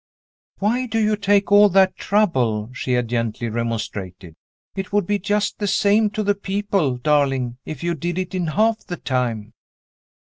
"Why do you take all that trouble?" she had gently remonstrated. "It would be just the same to the people, darling, if you did it in half the time."